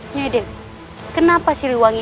nyedek kenapa si liwangi